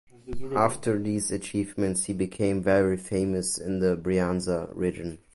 After these achievements he became very famous in the Brianza region.